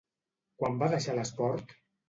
Quan va deixar l'esport?